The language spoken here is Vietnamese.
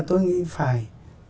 tôi nghĩ phải